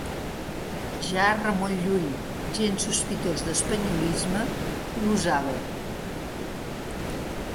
Ja Ramon Llull, gens sospitós d'espanyolisme, l'usava.